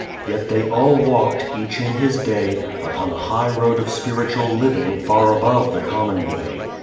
Yet they all walked, each in his day, upon a high road of spiritual living far above the common way.